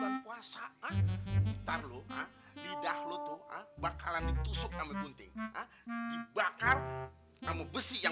bukan kuasa angin tarloh lidah lu tuh bakalan ditusuk kamek kunting bakar namun besi yang